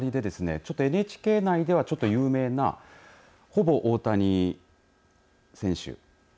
ちょっとＮＨＫ内では、有名なほぼ大谷選手。